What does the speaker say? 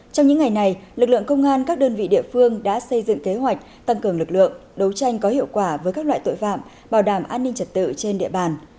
trong những ngày này lực lượng công an các đơn vị địa phương đã xây dựng kế hoạch tăng cường lực lượng đấu tranh có hiệu quả với các loại tội phạm bảo đảm an ninh trật tự trên địa bàn